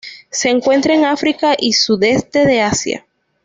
Se encuentra en África y Sudeste de Asia.